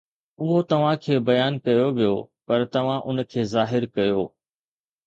اهو توهان کي بيان ڪيو ويو، پر توهان ان کي ظاهر ڪيو.